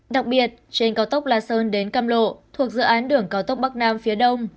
đặc biệt trên cao tốc la sơn đến cam lộ thuộc dự án đường cao tốc bắc nam phía đông